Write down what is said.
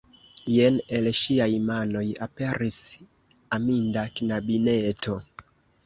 Jen el ŝiaj manoj aperis aminda knabineto.